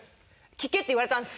聞けって言われたんです。